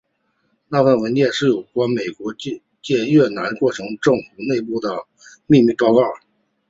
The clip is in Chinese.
那份文件是有关美国介入越南过程的政府内部秘密报告。